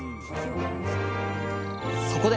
そこで！